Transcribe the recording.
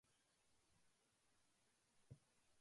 カナリア諸島州の州都はサンタ・クルス・デ・テネリフェである